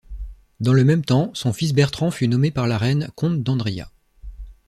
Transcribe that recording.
Dans le même temps, son fils Bertrand fut nommé par la reine comte d'Andria.